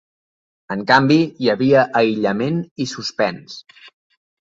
En canvi, hi havia aïllament i suspens.